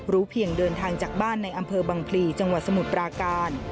เพียงเดินทางจากบ้านในอำเภอบังพลีจังหวัดสมุทรปราการ